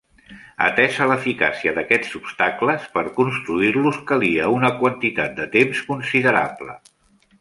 Atesa l'eficàcia d'aquests obstacles, per construir-los calia una quantitat de temps considerable.